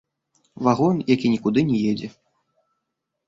Вагон, які нікуды не едзе.